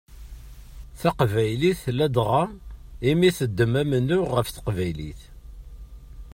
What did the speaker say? Taqbaylit ladɣa i mi teddem amennuɣ ɣef teqbaylit.